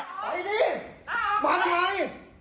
ไอ้ดิมาทั้งพร้าย